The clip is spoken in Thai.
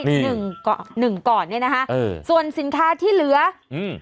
หนึ่งก่อนหนึ่งก่อนเนี้ยนะคะเออส่วนสินค้าที่เหลืออืม